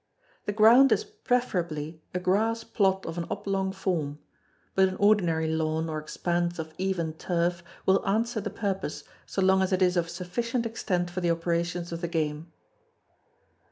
The ground is preferably a grass plot of an oblong form; but an ordinary lawn or expanse of even turf will answer the purpose, so long as it is of sufficient extent for the operations of the game.